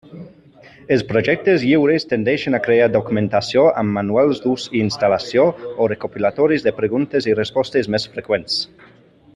Els projectes lliures tendeixen a crear documentació amb manuals d'ús i instal·lació o recopilatoris de preguntes i respostes més freqüents.